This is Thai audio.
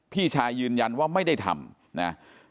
พี่ชายยืนยันว่าไม่ได้ทำนะ